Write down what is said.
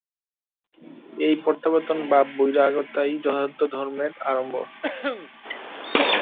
এই প্রত্যাবর্তন বা বৈরাগ্যই যথার্থ ধর্মের আরম্ভ।